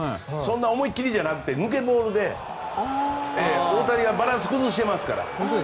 思い切りじゃなくて抜けボールで、大谷がバランスを崩していますから。